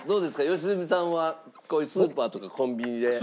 良純さんはこういうスーパーとかコンビニで。